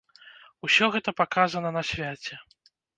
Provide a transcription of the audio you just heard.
Усё гэта паказана на свяце.